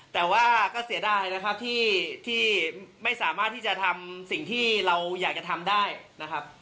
แต่ว่าก็เสียดายนะครับที่ไม่สามารถที่จะทำสิ่งที่เราอยากจะทำได้นะครับ